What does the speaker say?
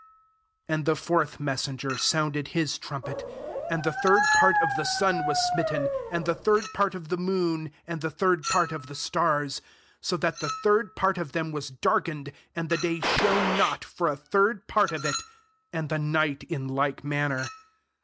12 And the fourth messenger sounded his trumpet, and the third part of the sun was smit ten, and the third part of the moon, and the third part of the stars ; so that the third part of them was darkened, and the day shone not for a third part of it, and the nfght in like manner.